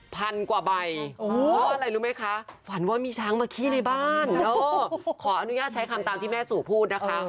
พันกว่าใบเพราะอะไรรู้ไหมคะฝันว่ามีช้างมาขี้ในบ้านขออนุญาตใช้คำตามที่แม่สู่พูดนะคะ